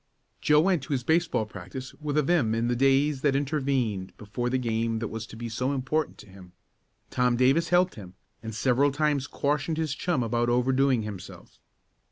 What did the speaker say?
Joe went to his baseball practice with a vim in the days that intervened before the game that was to be so important to him. Tom Davis helped him, and several times cautioned his chum about overdoing himself.